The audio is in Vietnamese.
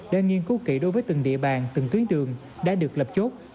nên nghiên cứu kỹ đối với từng địa bàn từng tuyến đường đã được lập chốt